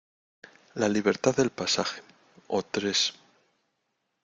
la libertad del pasaje. o tres: